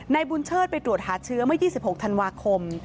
นายบุญเชิดไปตรวจหาเชื้อเมื่อ๒๖ธันวาคม